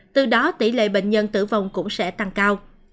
từ đó tỷ lệ bệnh nhân tử vong cũng sẽ tăng cao